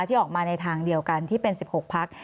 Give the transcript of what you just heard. ที่ออกมาในทางเดียวกันที่เป็น๑๖พัก